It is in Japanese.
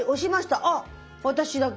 ああ私だけ。